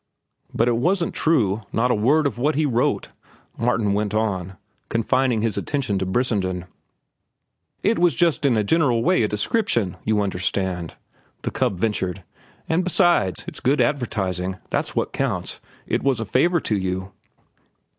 "But it wasn't true, not a word of what he wrote," Martin went on, confining his attention to Brissenden. "It was just in a general way a description, you understand," the cub ventured, "and besides, it's good advertising. That's what counts. It was a favor to you."